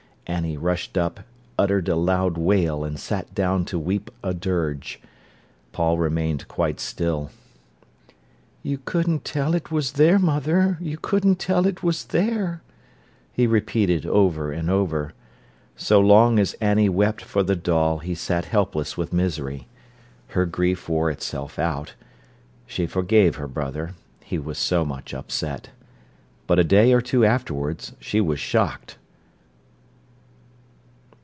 Annie rushed up, uttered a loud wail, and sat down to weep a dirge. Paul remained quite still. "You couldn't tell it was there, mother; you couldn't tell it was there," he repeated over and over. So long as Annie wept for the doll he sat helpless with misery. Her grief wore itself out. She forgave her brother—he was so much upset. But a day or two afterwards she was shocked.